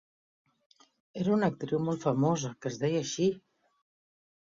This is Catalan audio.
Era una actriu molt famosa que es deia així!